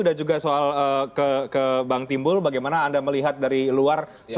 dan juga soal ke bank timbul bagaimana anda melihat dari luar soal masalah bpjs ini